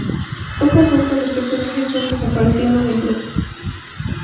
Poco a poco, los personajes van desapareciendo del grupo.